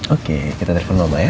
oke kita telepon bapak ya